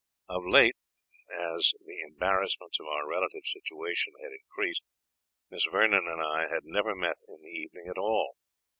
Of late, as the embarrassments of our relative situation had increased, Miss Vernon and I had never met in the evening at all.